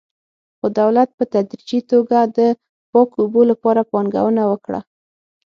خو دولت په تدریجي توګه د پاکو اوبو لپاره پانګونه وکړه.